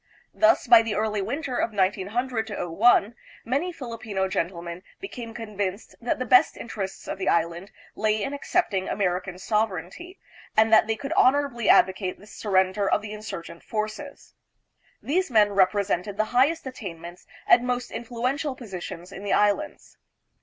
Thus, by the early winter of 1900 01 many Filipino gentlemen became con vinced that the best interests of the Islands lay in accept ing American sovereignty, and that they could honorably advocate the surrender of the insurgent forces. These men represented the highest attainments and most influential po sitions in the Islands.